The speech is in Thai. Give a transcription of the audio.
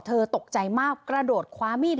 ตกใจมากกระโดดคว้ามีด